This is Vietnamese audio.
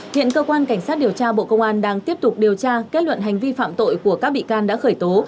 hiện cơ quan cảnh sát điều tra bộ công an đang tiếp tục điều tra kết luận hành vi phạm tội của các bị can đã khởi tố